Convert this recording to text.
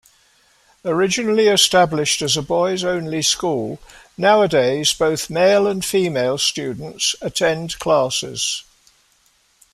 Originally established as a boys-only school, nowadays both male and female students attend classes.